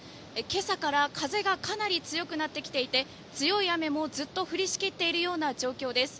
今朝から風がかなり強くなってきていて強い雨もずっと降りしきっているような状況です。